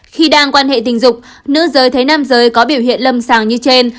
khi đang quan hệ tình dục nữ giới thấy nam giới có biểu hiện lâm sàng như trên